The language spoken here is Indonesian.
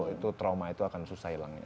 itu trauma itu akan susah hilangnya